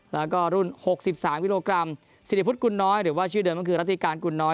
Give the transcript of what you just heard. แล้วก็รุ่น๖๓กิโลกรัมสิริพุทธกุลน้อยหรือว่าชื่อเดิมก็คือรัติการกุลน้อย